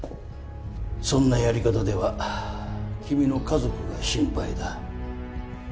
そんなやり方では君の家族が心配だ。